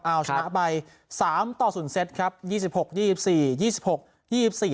เอาชนะไปสามต่อศูนย์เซตครับยี่สิบหกยี่สิบสี่ยี่สิบหกยี่สิบสี่